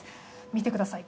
見てください